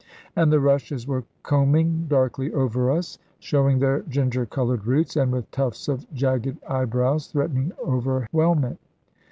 And the rushes were combing darkly over us, showing their ginger coloured roots, and with tufts of jagged eyebrows threatening overwhelment.